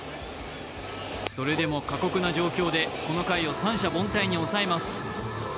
それでも過酷な状況で、この回を三者凡退に抑えます。